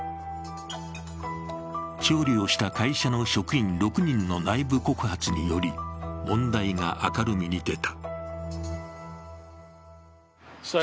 調理をした会社の職員６人の内部告発により、問題が明るみに出た。